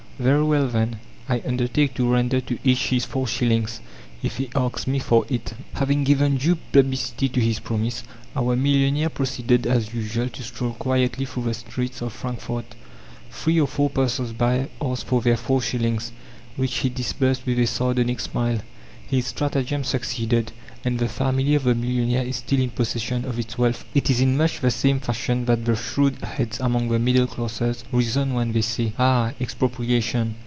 Very well, then, I undertake to render to each his four shillings if he asks me for it." Having given due publicity to his promise, our millionaire proceeded as usual to stroll quietly through the streets of Frankfort. Three or four passers by asked for their four shillings, which he disbursed with a sardonic smile. His stratagem succeeded, and the family of the millionaire is still in possession of its wealth. It is in much the same fashion that the shrewed heads among the middle classes reason when they say, "Ah, Expropriation!